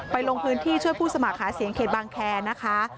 ลงพื้นที่ช่วยผู้สมัครหาเสียงเขตบางแคร์นะคะ